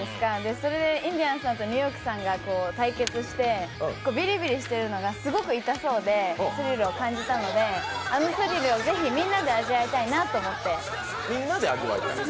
それでインディアンスさんとニューヨークさんが対決していてビリビリしてるのがすごく痛そうで、スリルを感じたのであのスリルをぜひみんなで味わいたいなと思って。